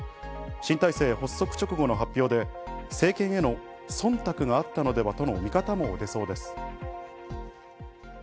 新体制発足直後の発表で、政権への忖度があったのではとの見方も出そうです。